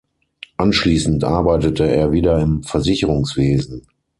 Anschließend arbeitete er wieder im Versicherungswesen.